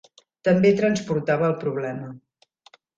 També transportava el problema.